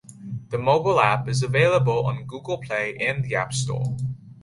The mobile app is available on Google Play and the App Store.